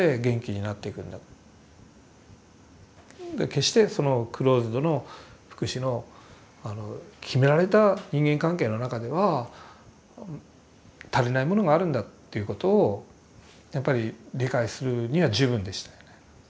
決してそのクローズドの福祉の決められた人間関係の中では足りないものがあるんだということをやっぱり理解するには十分でしたよね。